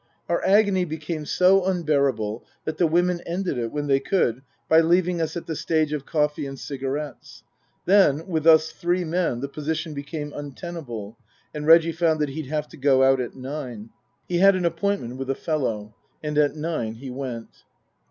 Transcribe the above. Our agony became so unbearable that the women ended it when they could by leaving us at the stage of coffee and Cigarettes. Then, with us three men the position became untenable, and Reggie found that he'd have to go out at nine ; he had an appointment with a fellow. And at nine he went.